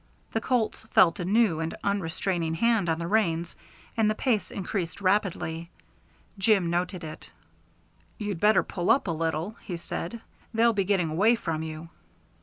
The colts felt a new and unrestraining hand on the reins, and the pace increased rapidly. Jim noted it. "You'd better pull up a little," he said. "They'll be getting away from you."